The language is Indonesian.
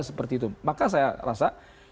seperti itu maka saya rasa